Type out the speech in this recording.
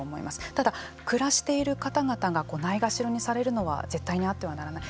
ただ、暮らしている方々がないがしろにされるのは絶対にあってはならない。